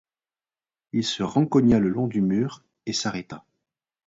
Il se rencogna le long du mur et s’arrêta.